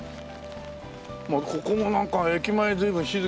ここもなんか駅前随分静か。